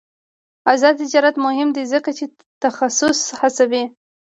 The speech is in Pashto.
آزاد تجارت مهم دی ځکه چې تخصص هڅوي.